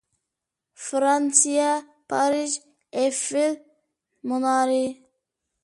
فىرانسىيە پارىژ ئېففېل مۇنارى